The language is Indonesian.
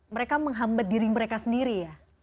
mereka menghambat diri mereka sendiri ya